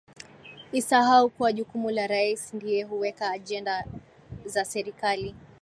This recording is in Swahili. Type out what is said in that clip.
isahau kuwa jukumu la rais ndiye huweka agenda za serikali